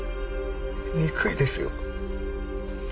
憎いですよ。